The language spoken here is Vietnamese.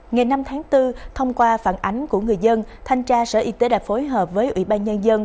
ngày năm tháng bốn thông qua phản ánh của người dân thanh tra sở y tế đã phối hợp với ủy ban nhân dân